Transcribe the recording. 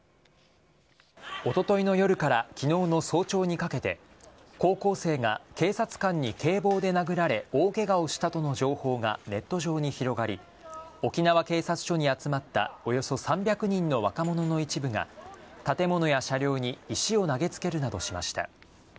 おとといの夜から昨日の早朝にかけて高校生が警察官に警棒で殴られ大ケガをしたとの情報がネット上に広がり沖縄警察署に集まったおよそ３００人の若者の一部が建物や車両に石を投げつけるなどしました。